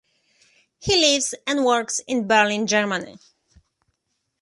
He lives and works in Berlin, Germany.